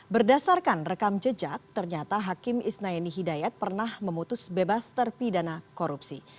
berdasarkan rekam jejak ternyata hakim isnayani hidayat pernah memutus bebas terpidana korupsi